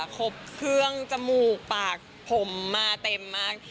ครบเครื่องจมูกปากผมมาเต็มมาก